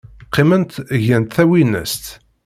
Qqiment, gant tawinest.